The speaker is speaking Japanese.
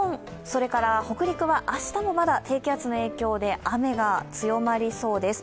それから北陸は明日もまだ低気圧の影響で雨が強まりそうです。